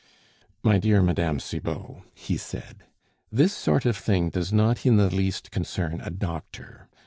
"My dear Mme. Cibot," he said, "this sort of thing does not in the least concern a doctor.